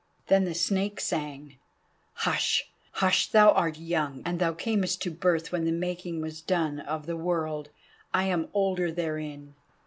Then the Snake sang: "Hush, hush, thou art young, and thou camest to birth when the making was done Of the world: I am older therein!"